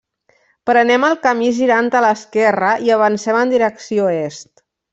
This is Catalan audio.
Prenem el camí girant a l'esquerra i avancem en direcció est.